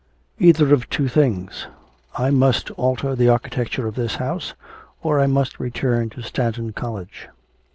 'Either of two things: I must alter the architecture of this house, or I must return to Stanton College.'